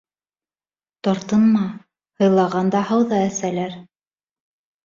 Тартынма, һыйлағанда һыу ҙа әсәләр.